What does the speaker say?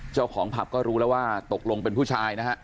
เจ้าของผับก็รู้แล้วว่าตกลงเป็นผู้ชายนะฮะ